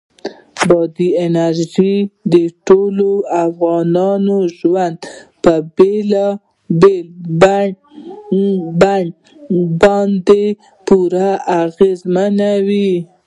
بادي انرژي د ټولو افغانانو ژوند په بېلابېلو بڼو باندې پوره اغېزمنوي.